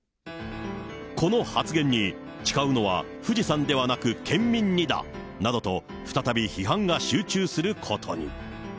この発言に、誓うのは富士山ではなく県民にだなどと、再び批判が集中することに。